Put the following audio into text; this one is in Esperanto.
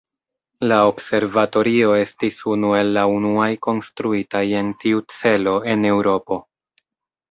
La observatorio estis unu el la unuaj konstruitaj en tiu celo en Eŭropo.